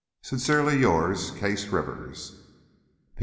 Sincerely yours, Case Rivers.